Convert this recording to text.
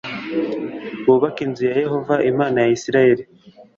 bubake inzu ya Yehova Imana ya Isirayeli